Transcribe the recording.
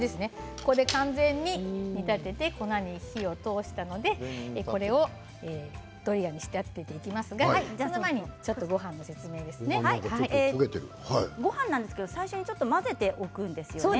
これで完全に煮立てて粉に火を通したのでこれをドリアに仕立てていきますが、その前にちょっと最初に混ぜておくんですよね。